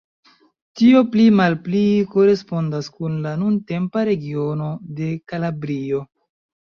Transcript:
Tio pli malpli korespondas kun la nuntempa regiono de Kalabrio.